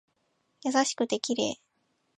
優しくて綺麗